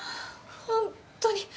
ホントに。